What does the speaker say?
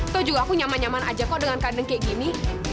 tuh juga aku nyaman nyaman aja kok dengan kadang kayak gini